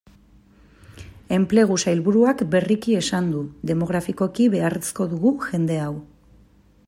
Enplegu sailburuak berriki esan du, demografikoki beharrezko dugu jende hau.